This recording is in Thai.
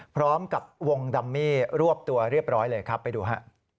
พร้อมกับวงดัมมี่รวบตัวเรียบร้อยเลยครับไปดูฮะ